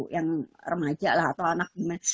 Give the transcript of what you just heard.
yang remaja lah atau anak gimana